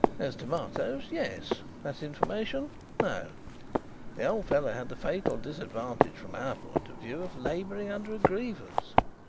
"As tomatoes, yes; as information, no. The old fellow had the fatal disadvantage from our point of view of labouring under a grievance.